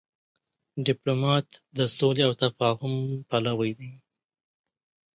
ډيپلومات د سولي او تفاهم پلوی دی.